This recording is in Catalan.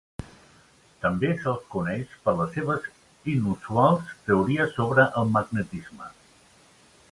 També se'l coneix per les seves inusuals teories sobre el magnetisme.